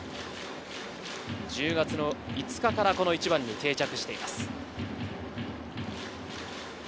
１０月５日から１番に定着しています。